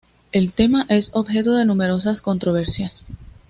El tema es objeto de numerosas controversias.